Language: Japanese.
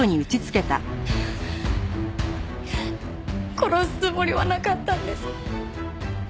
殺すつもりはなかったんです。